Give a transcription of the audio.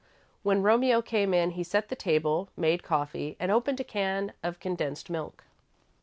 When Romeo came in, he set the table, made coffee, and opened a can of condensed milk.